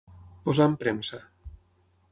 Posar en premsa.